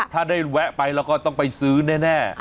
ถ้าได้แวะไปแล้วก็ต้องไปซื้อแน่